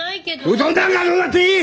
うどんなんかどうだっていい！